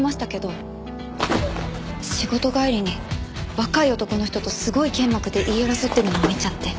仕事帰りに若い男の人とすごい剣幕で言い争ってるのを見ちゃって。